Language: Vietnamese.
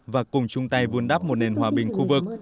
và cùng chung tay vun đắp một nền hòa bình khu vực